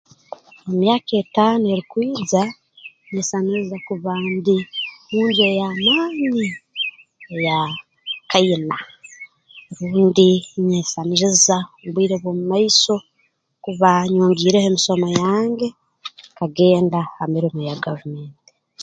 Mu myaka etaano erukwija ninyesaniriza kuba ndi mu nju ey'amaani eya kaina rundi ninyesaniriza mu bwire bw'omu maiso kuba nyongiireho emisomo yange nkagenda ha mirimo eya gavumenti